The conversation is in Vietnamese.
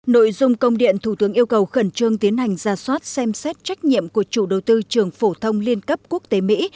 nội dung công điện thủ tướng yêu cầu khẩn trương tiến hành ra soát xem xét trách nhiệm của chủ đầu tư trường phổ thông liên cấp quốc tế mỹ